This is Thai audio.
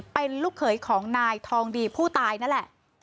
เป็นลูกเขยของนายทองดีผู้ตายนั่นแหละ